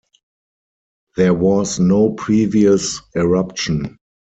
There was no previous eruption.